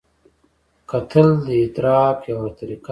کتل د ادراک یوه طریقه ده